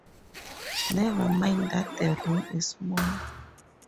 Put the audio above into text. Never mind that the room is small.